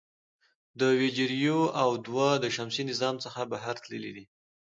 د وویجر یو او دوه د شمسي نظام څخه بهر تللي دي.